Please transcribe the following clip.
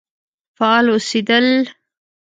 فعال اوسېدل.